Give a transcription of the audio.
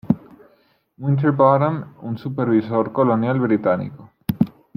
Winterbottom, un supervisor colonial británico.